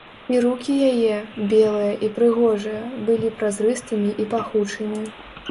І рукі яе, белыя і прыгожыя, былі празрыстымі і пахучымі.